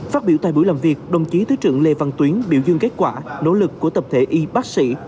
phát biểu tại buổi làm việc đồng chí thứ trưởng lê văn tuyến biểu dương kết quả nỗ lực của tập thể y bác sĩ